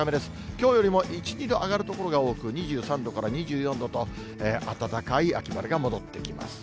きょうよりも１、２度上がる所が多く、２３度から２４度と、暖かい秋晴れが戻ってきます。